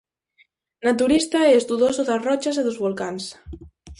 Naturista e estudoso das rochas e dos volcáns.